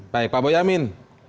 baik pak boyamin